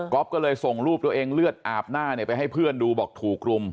ก็เลยส่งรูปตัวเองเลือดอาบหน้าไปให้เพื่อนดูบอกถูกรุม